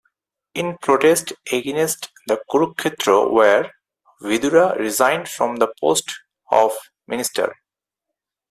In protest against the Kurukshetra War, Vidura resigned from the post of minister.